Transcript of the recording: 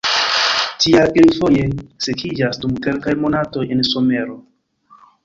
Tial, ili foje sekiĝas dum kelkaj monatoj en somero.